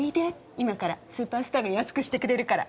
今からスーパースターが安くしてくれるから。